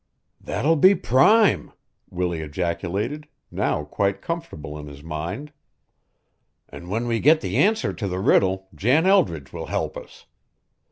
"That'll be prime!" Willie ejaculated, now quite comfortable in his mind. "An' when we get the answer to the riddle, Jan Eldridge will help us.